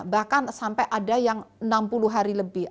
bahkan sampai ada yang enam puluh hari lebih